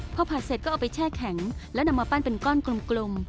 พอผัดเสร็จก็เอาไปแช่แข็งแล้วนำมาปั้นเป็นก้อนกลม